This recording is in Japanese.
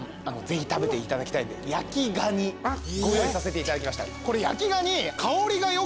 ぜひ食べていただきたいんで焼きガニご用意させていただきました。